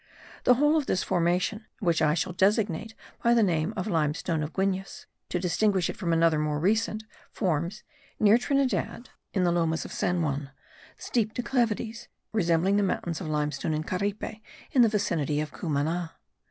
The whole of this formation, which I shall designate by the name of the limestone of Guines, to distinguish it from another much more recent, forms, near Trinidad, in the Lomas of St. Juan, steep declivities, resembling the mountains of limestone of Caripe, in the vicinity of Cumana.